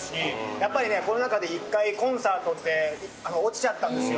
やっぱりコロナ禍で１回コンサートって落ちちゃったんですよ。